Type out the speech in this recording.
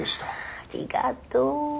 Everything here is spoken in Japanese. ありがとう。